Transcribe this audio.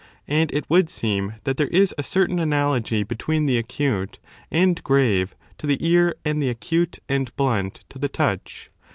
And it would seem that there is a certain analogy between the acute and grave to the ear and the acute and blunt to the touch.